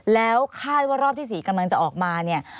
แล้วคาดว่ารอบที่๔กำลังจะออกมาเนี่ย